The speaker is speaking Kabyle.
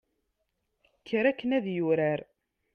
kker akken ad yurar